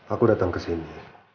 aku datang kesini